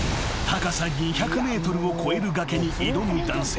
［高さ２００ｍを超える崖に挑む男性］